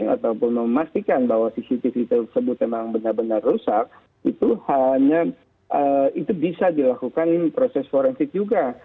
ataupun memastikan bahwa cctv tersebut memang benar benar rusak itu hanya itu bisa dilakukan proses forensik juga